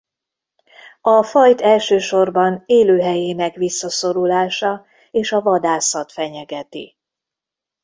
A fajt elsősorban élőhelyének visszaszorulása és a vadászat fenyegeti.